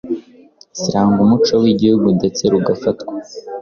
ziranga umuco w’igihugu ndetse rugafatwa